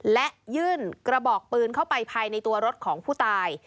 และยื่นกระบอกปืนเข้าไปภายในตัวรถของผู้ตาย